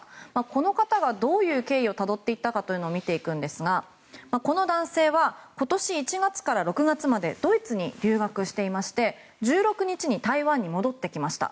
この方がどういう経緯をたどっていったかを見ていきますがこの男性は今年１月から６月までドイツに留学していまして１６日に台湾に戻ってきました。